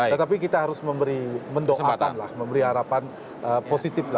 tetapi kita harus memberi mendoakan lah memberi harapan positif